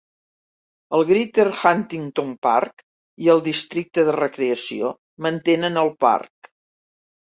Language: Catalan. El Greater Huntington Park i el Districte de Recreació mantenen el parc.